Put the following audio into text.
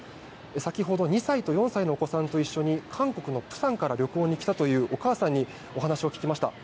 先ほど２歳と４歳のお子さんと一緒に韓国のプサンから旅行に来たというお母さんにお話を聞きました。